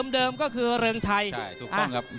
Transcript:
เดิมก็คือเริงชัยถูกต้องครับ